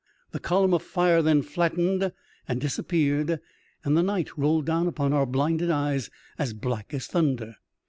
The column of fire then flattened and dis appeared, and the night rolled down upon our blinded eyes as black as thunder.